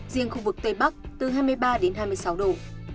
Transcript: riêng khu vực tây bắc từ hai mươi ba đến hai mươi sáu độ